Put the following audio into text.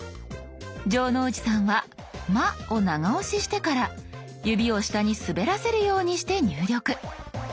城之内さんは「ま」を長押ししてから指を下に滑らせるようにして入力。